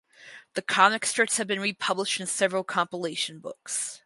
The comic strips have been republished in several compilation books.